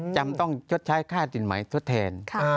จำต้องชดใช้ค่าสินใหม่ทดแทน